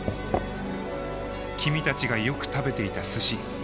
君たちがよく食べていた寿司。